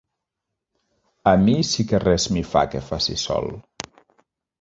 A mi sí que res m'hi fa que faci sol.